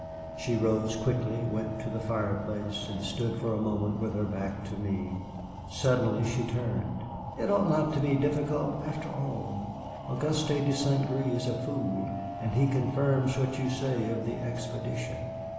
She rose quickly, went to the fireplace, and stood for a moment with her back to me. Suddenly she turned. "It ought not to be difficult, after all. Auguste de St. Gré is a fool, and he confirms what you say of the expedition.